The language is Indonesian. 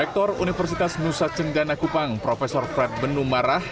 rektor universitas nusa cendana kupang prof fred benum marah